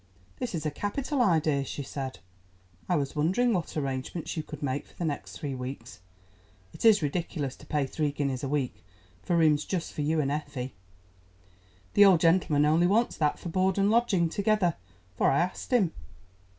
"That is a capital idea," she said. "I was wondering what arrangements you could make for the next three weeks. It is ridiculous to pay three guineas a week for rooms just for you and Effie. The old gentleman only wants that for board and lodging together, for I asked him."